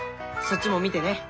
そっちも見てね。